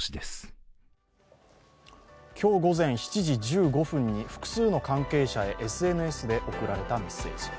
今日午前７時１５分に複数の関係者へＳＮＳで送られたメッセージ。